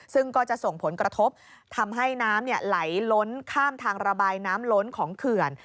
ซึ่งก็จะส่งผลกระทบทำให้น้ำไหลล้นข้ามทางระบายน้ำล้นของเขื่อน